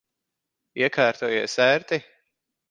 Iekārtojies ērti?